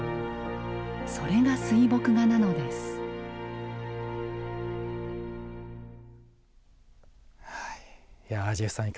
それが水墨画なのですはい。